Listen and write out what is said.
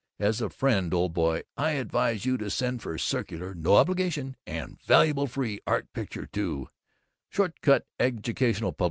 As a friend, old boy, I advise you to send for circular (no obligation) and valuable free Art Picture to: SHORTCUT EDUCATIONAL PUB.